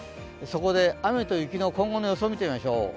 そこで、雨と雪の今後の予想を見ていきましょう。